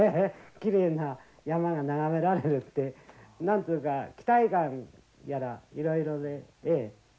きれいな山が眺められるって何つうか期待感やらいろいろね